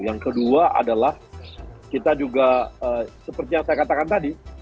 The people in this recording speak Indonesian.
yang kedua adalah kita juga seperti yang saya katakan tadi